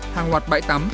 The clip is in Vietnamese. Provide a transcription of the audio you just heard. hàng loạt bãi tắm